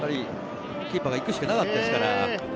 キーパーが行くしかなかったですから。